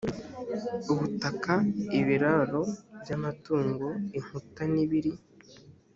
ubutaka ibiraro by amatungo inkuta n ibiri